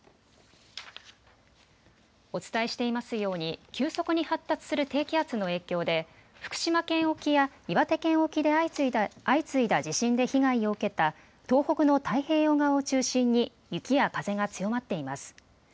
お伝えしていますように急速に発達する低気圧の影響で福島県沖や岩手県沖で相次いだ地震で被害を受けた東北の太平洋側を中心に雪や風が強まっています。